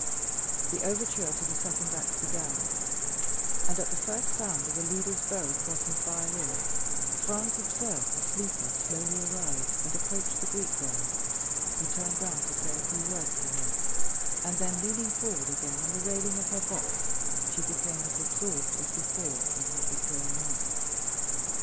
The overture to the second act began; and, at the first sound of the leader's bow across his violin, Franz observed the sleeper slowly arise and approach the Greek girl, who turned around to say a few words to him, and then, leaning forward again on the railing of her box, she became as absorbed as before in what was going on.